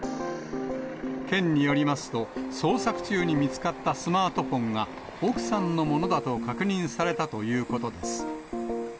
県によりますと、捜索中に見つかったスマートフォンが、奥さんのものだと確認されたということです。